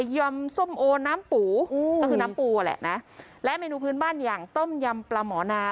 ยำส้มโอน้ำปูก็คือน้ำปูอ่ะแหละนะและเมนูพื้นบ้านอย่างต้มยำปลาหมอนา